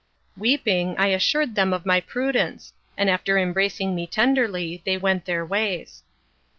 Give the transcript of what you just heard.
Weeping, I assured them of my prudence, and after embracing me tenderly, they went their ways.